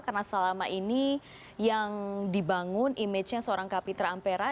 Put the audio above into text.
karena selama ini yang dibangun image nya seorang kapitra ampera